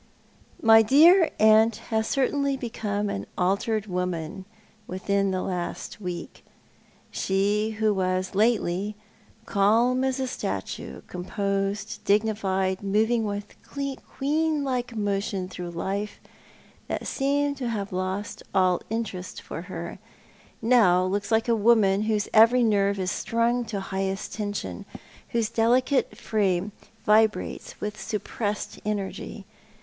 My dear aunt has certainly become an altered woman within the last week. She who was lately calm as a statue, composed, dignified, moving with queeulikc motion through a life that seemed to have lost all interest fur her, now looks like a woman . Coralies Joiwiial. 203 whose every nerve is strung to highest tension, whose delicate frame vibrates with suppressed energy.